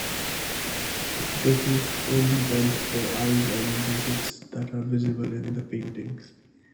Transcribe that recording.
This is only done for eyes and digits that are visible in the painting.